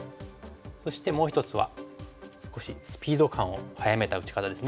そしてもう一つは少しスピード感を速めた打ち方です。